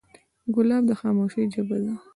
ګلاب د خاموشۍ ژبه ده.